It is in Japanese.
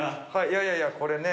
いやいやいやこれね。